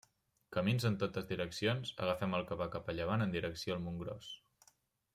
Camins en totes direccions, agafem el que va cap a llevant en direcció al Montgròs.